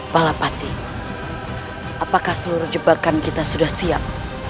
palapati apakah seluruh jebakan kita sudah siap